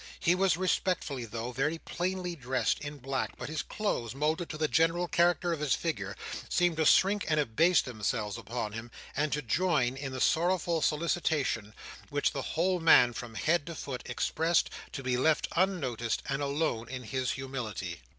He was respectably, though very plainly dressed, in black; but his clothes, moulded to the general character of his figure, seemed to shrink and abase themselves upon him, and to join in the sorrowful solicitation which the whole man from head to foot expressed, to be left unnoticed, and alone in his humility.